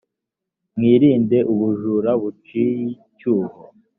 mwirinde ubujura buciyicyuho.